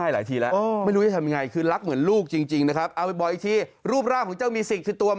เราก็เลยติดประกาศเพื่อจะให้คนที่เขาจับได้รู้ว่าเราเป็นเจ้าของเขา